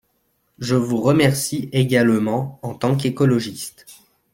Je vous remercie également en tant qu’écologiste.